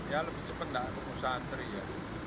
ya lebih cepat enggak usah antri ya